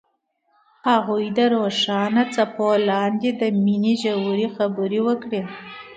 هغوی د روښانه څپو لاندې د مینې ژورې خبرې وکړې.